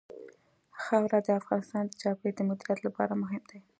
خاوره د افغانستان د چاپیریال د مدیریت لپاره مهم دي.